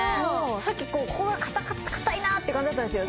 さっきここが硬いなって感じだったんですよ